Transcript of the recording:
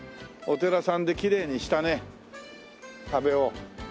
お寺さんできれいにしたね壁を。